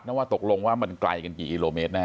ว่าตกลงว่ามันไกลกันกี่กิโลเมตรแน